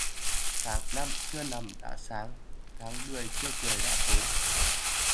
Tháng năm chưa nằm đã sáng, tháng mười chưa cười đã tối